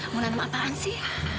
mau nanam apaan sih